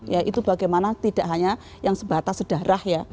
ya itu bagaimana tidak hanya yang sebatas sedarah ya